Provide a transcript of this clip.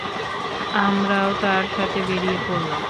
আমরাও তার সাথে বেরিয়ে পড়লাম।